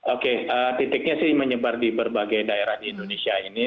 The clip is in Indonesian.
oke titiknya sih menyebar di berbagai daerah di indonesia ini